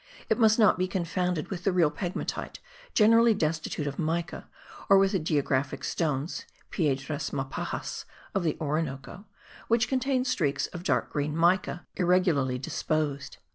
It must not be confounded with the real pegmatite, generally destitute of mica, or with the geographic stones (piedras mapajas) of the Orinoco, which contain streaks of dark green mica irregularly disposed.)